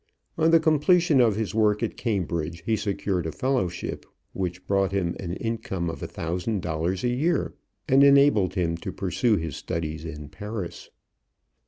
On the completion of his work at Cambridge he secured a fellowship which brought him an income of a thousand dollars a year and enabled him to pursue his studies in Paris.